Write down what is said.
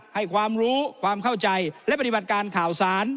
ให้ความรู้ความเข้าใจและปฏิบัติการข่าวสาร